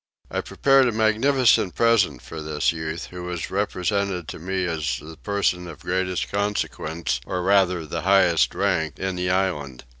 I prepared a magnificent present for this youth, who was represented to me as the person of the greatest consequence, or rather of the highest rank, in the island.